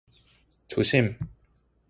조심!